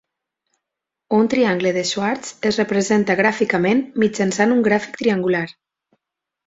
Un triangle de Schwarz es representa gràficament mitjançant un gràfic triangular.